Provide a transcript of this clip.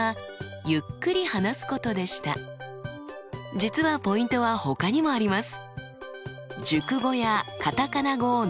実はポイントはほかにもあります。